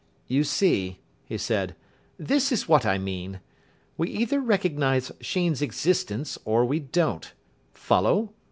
"You see," he said, "this is what I mean. We either recognise Sheen's existence or we don't. Follow?